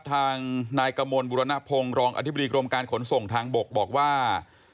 ทางนายกมลบุรณพงศ์รองอธิบดีกรมการขนส่งทางบกบอกว่า